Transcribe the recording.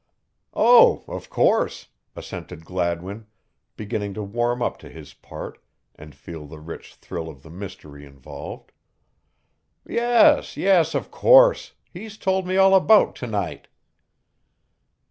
"Oh, of course," assented Gladwin, beginning to warm up to his part and feel the rich thrill of the mystery involved. "Yes, yes of course he's told me all about to night."